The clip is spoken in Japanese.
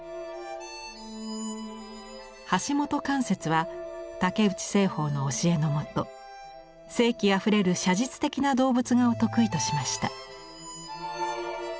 橋本関雪は竹内栖鳳の教えのもと生気あふれる写実的な動物画を得意としました。